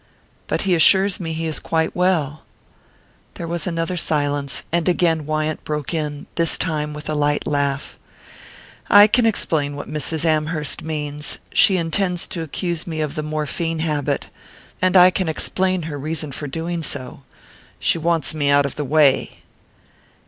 "But he assures me he is quite well." There was another silence; and again Wyant broke in, this time with a slight laugh. "I can explain what Mrs. Amherst means; she intends to accuse me of the morphine habit. And I can explain her reason for doing so she wants me out of the way."